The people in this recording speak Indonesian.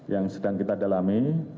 yang sedang kita dalami